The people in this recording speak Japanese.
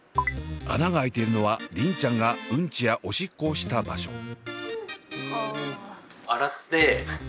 穴が開いているのは梨鈴ちゃんがうんちやおしっこをした場所。